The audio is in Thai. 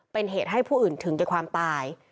เป็นเหตุให้ผู้อื่นถึงแก่ความตาย